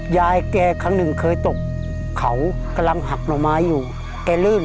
ยายแกครั้งหนึ่งเคยตกเขากำลังหักหน่อไม้อยู่แกลื่น